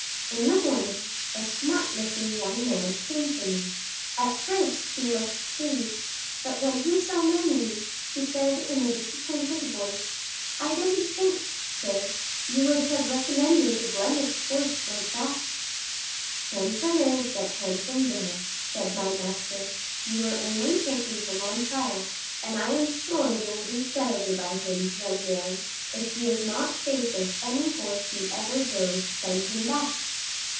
In the morning a smart looking young man came for me; at first, he looked pleased; but when he saw my knees, he said in a disappointed voice: "I didn't think, sir, you would have recommended a blemished horse like that." "'Handsome is that handsome does,'" said my master; "you are only taking him on trial, and I am sure you will do fairly by him, young man; if he is not safe as any horse you ever drove, send him back."